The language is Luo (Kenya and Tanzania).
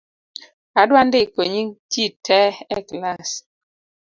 Adwa ndiko nying’ jii tee e klass